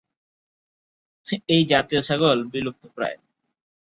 এই জাতীয় ছাগল বিলুপ্তপ্রায়।